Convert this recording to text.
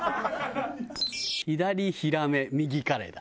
左ヒラメ右カレイだ。